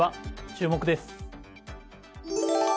注目です。